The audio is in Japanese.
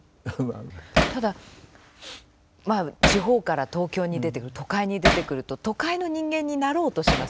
ただ地方から東京に出てくる都会に出てくると都会の人間になろうとしますよね。